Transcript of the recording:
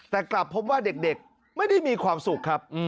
แต่กลับพบว่าเด็กไม่ได้มีความสุขครับ